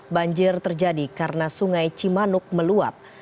banjir terjadi karena sungai cimanuk meluap